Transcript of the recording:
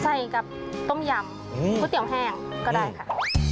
ใส่กับต้มยำก๋วยเตี๋ยวแห้งก็ได้ค่ะ